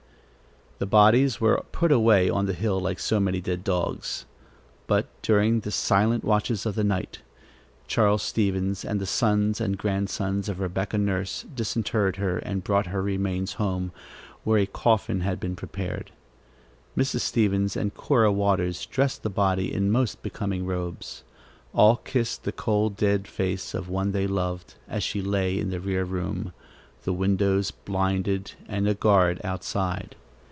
The bodies were put away on the hill like so many dead dogs; but during the silent watches of the night, Charles Stevens and the sons and grandsons of Rebecca Nurse disinterred her and brought her remains home where a coffin had been prepared. Mrs. Stevens and Cora Waters dressed the body in most becoming robes. All kissed the cold dead face of one they loved, as she lay in a rear room, the windows blinded and a guard outside.